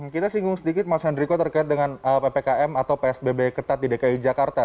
kita singgung sedikit mas hendriko terkait dengan ppkm atau psbb ketat di dki jakarta